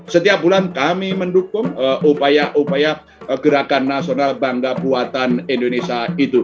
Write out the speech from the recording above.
setiap bulan kami mendukung upaya upaya gerakan nasional bangga buatan indonesia itu